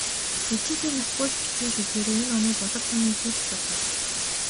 Ижийдээ нас гуйж бичсэн шүлгээр энэ оны "Болор цом"-ын эзнээр тодорлоо.